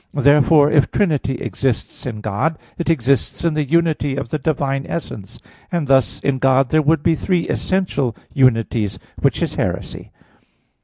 Therefore, if Trinity exists in God, it exists in the unity of the divine essence; and thus in God there would be three essential unities; which is heresy.